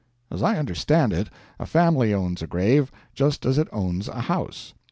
As I understand it, a family owns a grave, just as it owns a house.